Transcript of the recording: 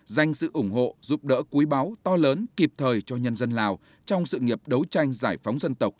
dành sự ủng hộ giúp đỡ quý báo to lớn kịp thời cho nhân dân lào trong sự nghiệp đấu tranh giải phóng dân tộc